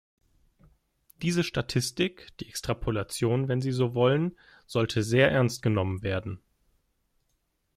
Diese Statistik, die Extrapolation, wenn Sie so wollen, sollte sehr ernst genommen werden.